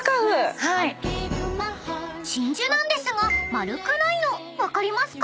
［真珠なんですが丸くないの分かりますか？］